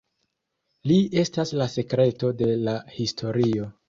Li estas la sekreto de la historio.